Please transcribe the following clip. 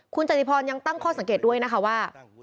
คุณจติพรยังตั้งข้อสังเกตด้วยนะคะว่า